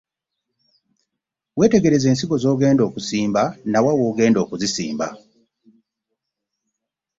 Weetegereze ensigo z'ogenda okusimba na wa w'ogenda okuzisimba